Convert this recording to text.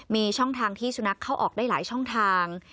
มีช่องทางที่สุนัขเข้าออกได้หลายช่องทาง